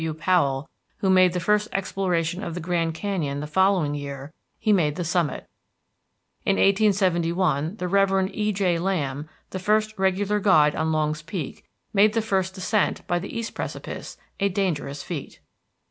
W. Powell, who made the first exploration of the Grand Canyon the following year, he made the summit. In 1871 the Reverend E.J. Lamb, the first regular guide on Longs Peak, made the first descent by the east precipice, a dangerous feat.